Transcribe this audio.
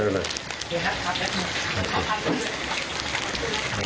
พร้อมทุกสิทธิ์